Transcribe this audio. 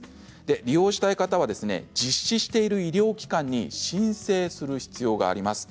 利用したい方は実施している医療機関に申請する必要があります。